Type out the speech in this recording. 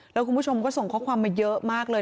แล้วคุณผู้ชมก็ส่งข้อความมาเยอะมากเลย